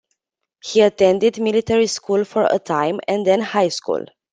He attended military school for a time, and then high school.